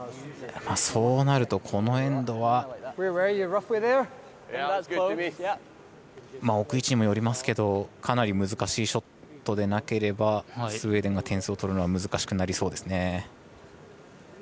そうなるとこのエンドは置く位置にもよりますけどかなり難しいショットでなければスウェーデンが点数を取るのは難しくなりそうですね。